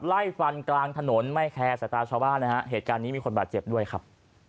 ไล่ฟันกลางถนนไม่แคร์สายตาชาวบ้านนะฮะเหตุการณ์นี้มีคนบาดเจ็บด้วยครับ